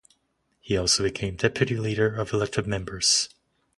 He also became Deputy Leader of Elected Members.